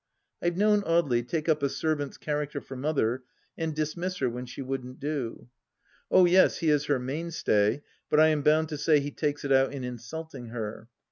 I've known Audely take up a servant's char acter for Mother and dismiss her when she wouldn't do. Oh yes, he is her mainstay, but I am bound to say he takes it out in insulting her.